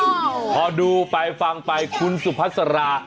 อ้าวพอดูไปฟังไปคุณสุภาษณ์สรา